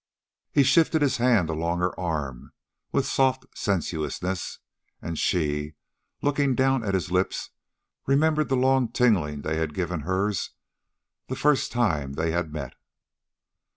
He shifted his hand along her arm with soft sensuousness, and she, looking down at his lips, remembered the long tingling they had given hers the first time they had met.